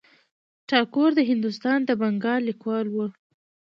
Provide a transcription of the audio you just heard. ټاګور د هندوستان د بنګال لیکوال و.